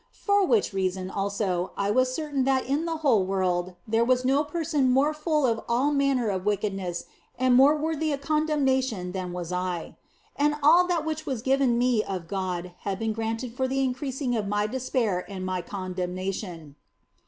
For which reason, also, was I certain that in the whole world there was no person more full of all manner of wickedness and more worthy of condemnation than was I. And all that which had been given me of God had been granted for the in creasing of my despair and my condemnation.